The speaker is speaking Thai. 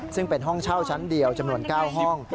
ซึ่งเป็นห้องเช่าชั้นเดียวจำนวน๙ห้อง